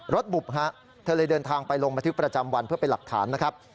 รถบุบค่ะเธอเลยเดินทางไปลงมาที่ประจำวันเพื่อไปหลักฐานนะครับ